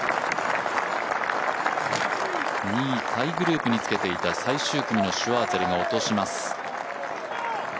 ２位タイグループにつけていた最終組のシュワーツェルが落とします。